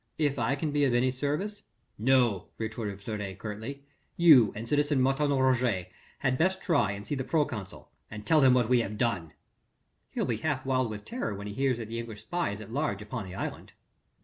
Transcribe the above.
If I can be of any service...." "No," retorted Fleury curtly, "you and citizen Martin Roget had best try and see the proconsul and tell him what we have done." "He'll be half wild with terror when he hears that the English spy is at large upon the island."